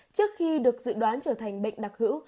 trước khi được dự đoán trở thành bệnh đặc hữu